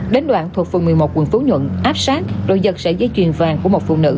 đến đoạn thuộc phường một mươi một tp hcm áp sát rồi giật sẻ giấy chuyền vàng của một phụ nữ